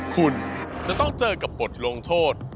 คุณจะต้องเจอกับบทลงโทษ